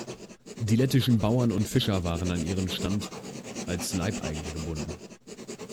Die lettischen Bauern und Fischer waren an ihren Stand als Leibeigene gebunden.